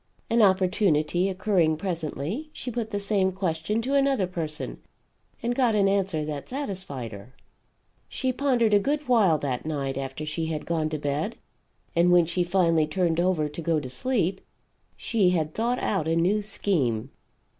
An opportunity occurring presently, she put the same question to another person and got an answer that satisfied her. She pondered a good while that night, after she had gone to bed, and when she finally turned over to go to sleep, she had thought out a new scheme.